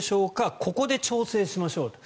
ここで調整しましょうと。